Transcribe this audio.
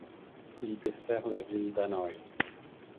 Il dessert la ville d'Hanoï.